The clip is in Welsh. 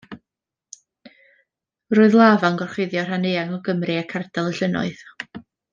Roedd lafa yn gorchuddio rhan eang o Gymru ac Ardal y Llynnoedd.